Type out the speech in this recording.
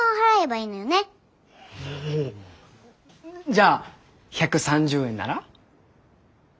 じゃあ１３０円なら？